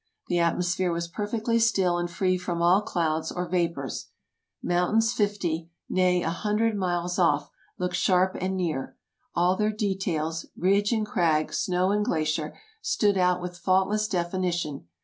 The atmosphere was perfectly still and free from all clouds or vapors. Mountains fifty — nay, a hundred — miles off, looked sharp and near. All their de tails— ridge and crag, snow and glacier — stood out with faultless definition.